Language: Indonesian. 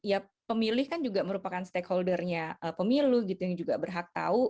ya pemilih kan juga merupakan stakeholdernya pemilu gitu yang juga berhak tahu